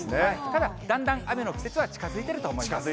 ただ、だんだん雨の季節は近づいていると思います。